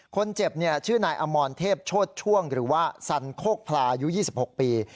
คนเจ็บชื่อนายอมรเทพโชธช่วงหรือว่าสันโคกพลายุ๒๖ปี